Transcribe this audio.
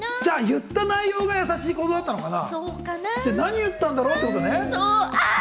言った内容が優しいことだったのかな？